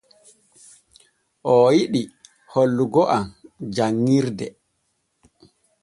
Oo yiɗi hollugo am janŋirde.